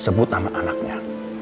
sebut nama anaknya